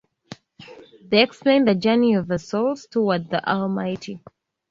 They explain the journey of the souls toward the Almighty.